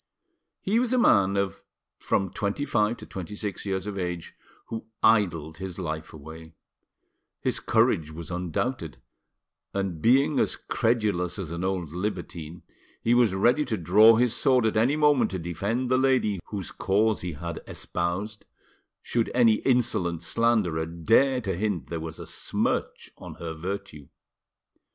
He was a man of from twenty five to twenty six years of age, who idled his life away: his courage was undoubted, and being as credulous as an old libertine, he was ready to draw his sword at any moment to defend the lady whose cause he had espoused, should any insolent slanderer dare to hint there was a smirch on her virtue.